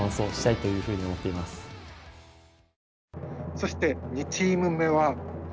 そして２チーム目は。